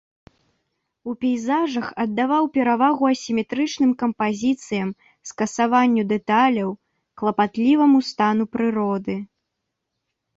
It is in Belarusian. У пейзажах аддаваў перавагу асіметрычным кампазіцыям, скасаванню дэталяў, клапатліваму стану прыроды.